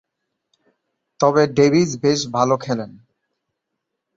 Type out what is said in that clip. তবে, ডেভিস বেশ ভালো খেলেন।